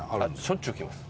しょっちゅう来ます。